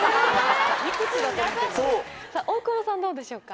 大久保さんどうでしょうか？